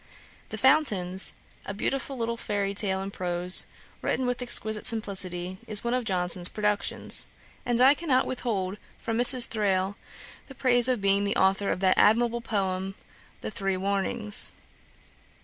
' 'The Fountains,'[dagger] a beautiful little Fairy tale in prose, written with exquisite simplicity, is one of Johnson's productions; and I cannot with hold from Mrs. Thrale the praise of being the authour of that admirable poem, 'The Three Warnings.'